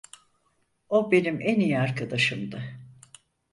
O benim en iyi arkadaşımdı.